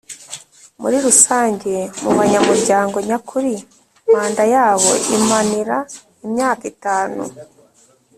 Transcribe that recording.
muri Rusange mu banyamuryango nyakuri Manda yabo imanra imyaka itanu